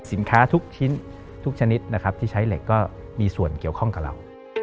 สินค้าทุกชนิดที่ใช้เล็กก็มีส่วนเกี่ยวข้องกับเรา